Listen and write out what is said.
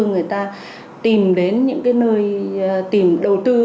người ta tìm đến những nơi tìm đầu tư